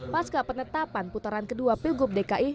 pasca penetapan putaran kedua pilgub dki